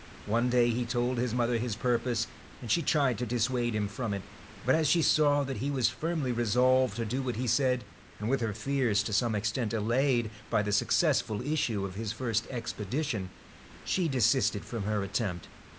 One day he told his mother his purpose, and she tried to dissuade him from it, but as she saw that he was firmly resolved to do what he said, and with her fears to some extent allayed by the successful issue of his first expedition, she desisted from her attempt.